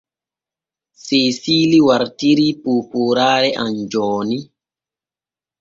Seesiili wartirii poopooraare am jooni.